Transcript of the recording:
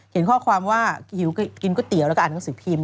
เห็นข้อความว่าหิวกินก๋วยเตี๋ยวแล้วก็อ่านหนังสือพิมพ